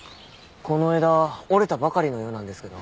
この枝折れたばかりのようなんですけど。